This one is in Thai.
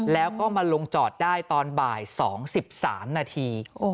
แล้วก็มาลงจอดได้ตอนบ่าย๒๓นาที